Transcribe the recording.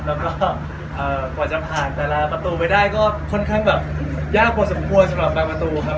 แล้วก็กว่าจะผ่านแต่ละประตูไปได้ก็ค่อนข้างแบบยากพอสมควรสำหรับบางประตูครับ